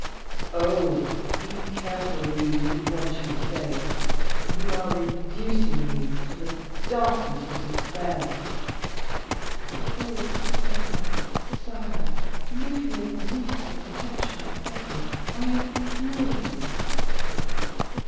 "Oh! be careful, Louise, in what you say; for you are reducing me to the darkness of despair." "Oh! sire, sire, leave me at least the protection of Heaven, I implore you."